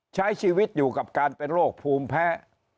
ใช้ชีวิตอยู่กับการเป็นโรคภูมิแพ้